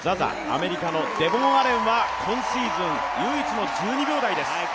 アメリカのデボン・アレンは今シーズン唯一の１２秒台です。